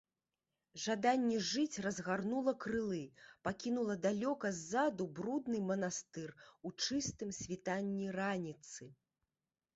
Жаданне жыць разгарнула крылы, пакінула далёка ззаду брудны манастыр у чыстым світанні раніцы.